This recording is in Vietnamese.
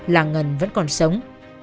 là ngân vẫn còn sống